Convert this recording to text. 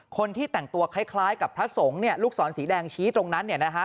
คนที่แต่งตัวคล้ายกับพระสงฆ์เนี่ยลูกศรสีแดงชี้ตรงนั้นเนี่ยนะฮะ